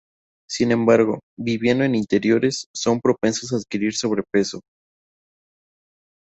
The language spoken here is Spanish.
Sin embargo, viviendo en interiores, son propensos a adquirir sobrepeso.